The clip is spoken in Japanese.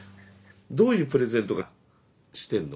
どういうプレゼンとかしてんの？